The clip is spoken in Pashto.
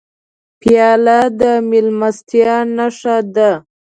پیاله د میلمستیا نښه ده.